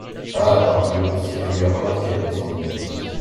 Ah ! parbleu ! si je l’ai remarqué… l’accent du midi.